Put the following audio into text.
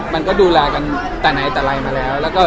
มันก็ดูแลกันแต่ในแต่ไรมาแล้ว